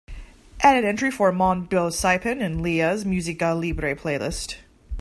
add an entry for mon beau sapin in lela's música libre playlist